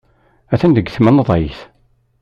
Atan deg tmenḍayt.